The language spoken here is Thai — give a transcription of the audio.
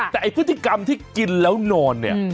แต่ไอ้พฤติกรรมที่กินแล้วนอนเนี่ย